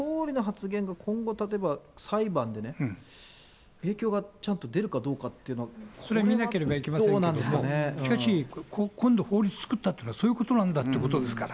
これ、総理の発言が今後例えば裁判でね、影響がちゃんと出るかどうかといそれ見なければいけませんけれども、しかし、今度法律作ったということは、そういうことなんだということですから。